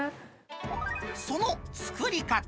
その作り方。